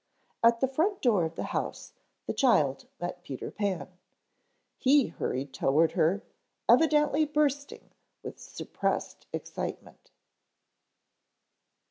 At the front door of the house the child met Peter Pan. He hurried toward her, evidently bursting with suppressed excitement.